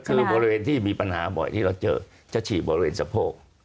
คือบริเวณที่มีปัญหาบ่อยที่เราเจอจะฉีดบริเวณสะโพก